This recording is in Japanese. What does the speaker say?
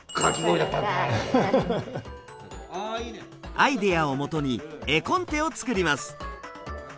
アイデアをもとに絵コンテを作ります。